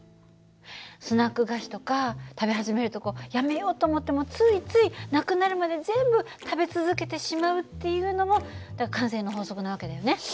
スナック菓子とか食べ始めるとこうやめようと思ってもついついなくなるまで全部食べ続けてしまうっていうのも慣性の法則な訳だよね。